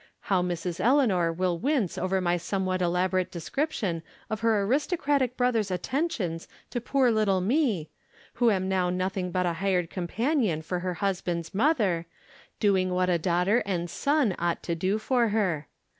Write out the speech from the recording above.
How Mrs. Eleanor will wince over my somewhat elaborate description of her aristocratic brother's attentions to poor little me, who am now nothing but a hired companion for her husband's mother, doing what a daughter and son ought to do for her.